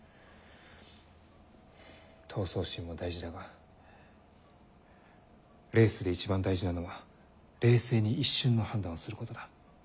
闘争心も大事だがレースで一番大事なのは冷静に一瞬の判断をすることだ。